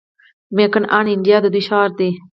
میک ان انډیا د دوی شعار دی.